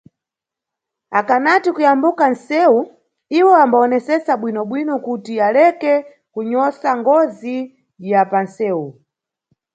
Akanati Kuyambuka nʼsewu iwo ambawonesesa bwinobwino kuti aleke kunyosa ngozi ya panʼsewu.